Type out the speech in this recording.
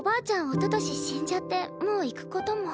おととし死んじゃってもう行くことも。